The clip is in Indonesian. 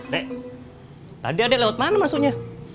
dek tadi adek lewat mana masuknya